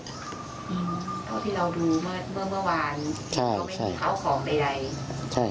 เพราะที่ดูเมื่อวานเค้าคงเอาของไปไหน